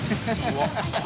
わっ！